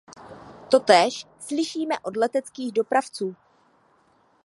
Totéž slyšíme od leteckých dopravců.